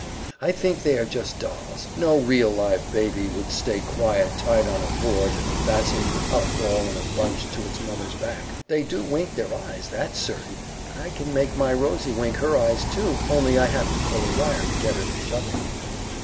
I think they are just dolls. No real, live baby would stay quiet tied on a board and fastened up all in a bunch to its mother's back. They do wink their eyes, that's certain; but I can make my Rosy wink her eyes, too, only I have to pull a wire to get her to shut them."